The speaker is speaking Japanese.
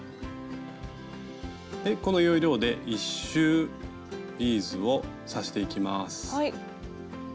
この要領で１周ビーズを刺していきます。